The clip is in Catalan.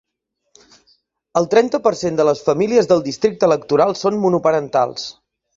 El trenta per cent de les famílies del districte electoral són monoparentals.